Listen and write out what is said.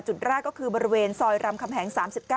จุดแรกก็คือบริเวณซอยรำคำแหง๓๙